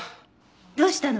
どうしたの？